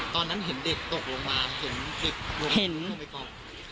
ตอนนั้นเห็นเด็กตกลงมาเห็นเด็กเห็นลงไปก่อน